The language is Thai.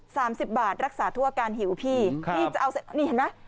สามสิบบาทรักษาทั่วการหิวพี่ครับนี่จะเอานี่เห็นเหรอ